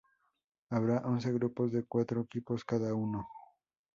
Habrá once grupos de cuatro equipos cada uno.